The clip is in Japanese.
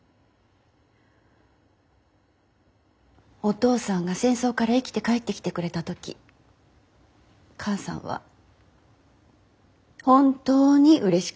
お父さんが戦争から生きて帰ってきてくれた時母さんは本当にうれしかった。